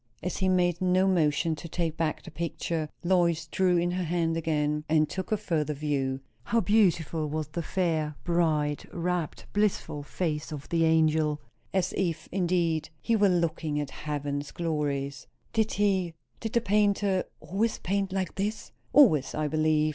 As he made no motion to take back the picture, Lois drew in her hand again and took a further view. How beautiful was the fair, bright, rapt, blissful face of the angel! as if, indeed, he were looking at heaven's glories. "Did he did the painter always paint like this?" "Always, I believe.